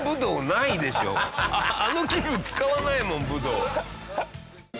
あの器具使わないもん武道。